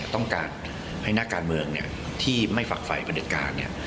ต้องการให้หน้าการเมืองที่ไม่ฝักไฟประเด็ดการ